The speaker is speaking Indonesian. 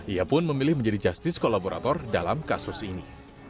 ia pun memilih menjadi justice kolaborator dalam kasus ini